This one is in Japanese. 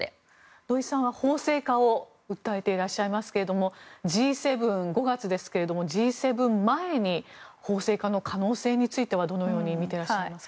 土井さんは法制化を目指していますがＧ７、５月ですけどもＧ７前に法制化の可能性についてどのようにみていらっしゃいますか。